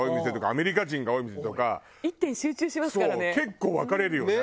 結構分かれるよね。